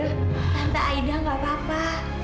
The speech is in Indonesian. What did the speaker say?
tante aida gak apa apa